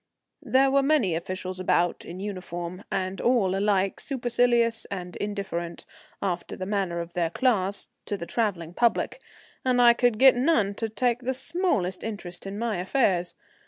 There were many officials about in uniform, and all alike supercilious and indifferent, after the manner of their class, to the travelling public, and I could get none to take the smallest interest in my affairs.